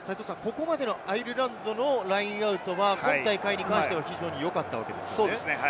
アイルランドのラインアウト、今大会に関しては非常に良かったですよね。